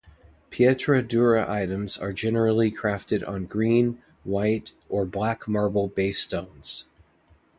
Pietra dura items are generally crafted on green, white or black marble base stones.